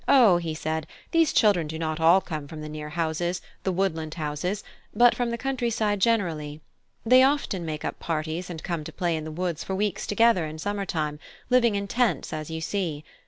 "O," said he, "these children do not all come from the near houses, the woodland houses, but from the country side generally. They often make up parties, and come to play in the woods for weeks together in summer time, living in tents, as you see.